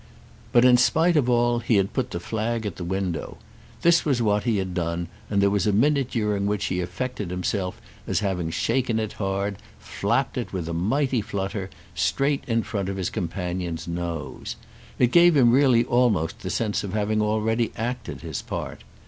But in spite of all he had put the flag at the window. This was what he had done, and there was a minute during which he affected himself as having shaken it hard, flapped it with a mighty flutter, straight in front of his companion's nose. It gave him really almost the sense of having already acted his part.